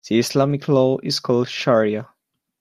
The Islamic law is called shariah.